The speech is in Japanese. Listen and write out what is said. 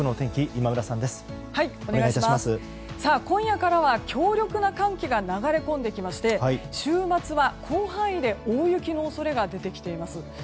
今夜からは強力な寒気が流れ込んできまして週末は広範囲で大雪の恐れが出てきています。